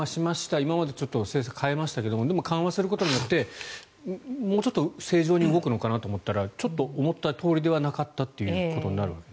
今までと政策を変えましたが緩和することによってもうちょっと正常に動くのかなと思ったらちょっと、思ったとおりではなかったということになるわけですね。